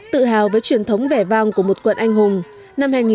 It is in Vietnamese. tự hào với truyền thống vẻ vang của một quận anh hùng